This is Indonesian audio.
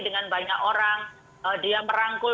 dengan banyak orang dia merangkul